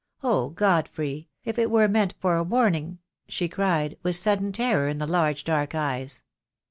Oh, Godfrey, if it were meant for a warning," she cried, with sudden terror in the large dark eyes.